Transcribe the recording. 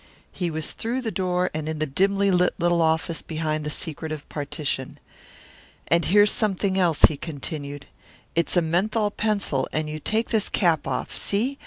He was through the door and in the dimly lit little office behind that secretive partition. "And here's something else," he continued. "It's a menthol pencil and you take this cap off see?